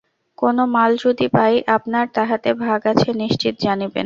কোন মাল যদি পাই, আপনার তাহাতে ভাগ আছে নিশ্চিত জানিবেন।